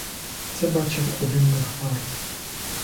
Це бачив один лихвар.